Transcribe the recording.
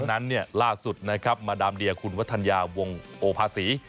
นั้นเนี่ยล่าสุดนะครับมาดามเดียคุณวัฒนยาวงโอภาษี